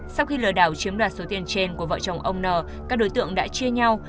sau khi lừa đảo chiếm đoạt số tiền trên của vợ chồng ông n các đối tượng đã chia nhau